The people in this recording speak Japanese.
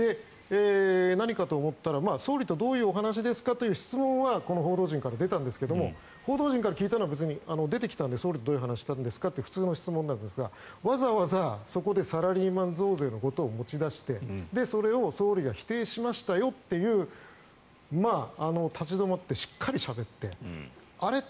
何かと思ったら総理とどういうお話ですかという質問はこの報道陣から出たんですが報道陣が聞いたのは別に出てきたので総理、どういう話をしたんですかという普通の質問なんですがわざわざそこでサラリーマン増税のことを持ち出して、それを総理が否定しましたよという立ち止まってしっかりしゃべってあれ？